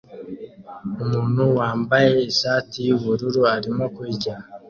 Umuntu wambaye ishati yubururu arimo kurya